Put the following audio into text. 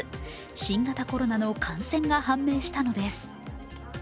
新型コロナの感染が判明したのです。